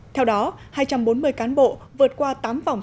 theo đó hai trăm bốn mươi cán bộ vượt qua tám vòng